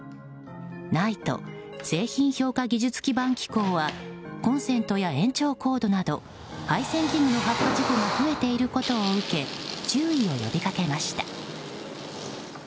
ＮＩＴＥ・製品評価技術基盤機構はコンセントや延長コードなど配線器具の発火事故が増えていることを受け注意を呼びかけました。